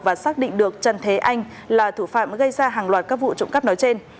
và xác định được trần thế anh là thủ phạm gây ra hàng loạt các vụ trộm cắp nói trên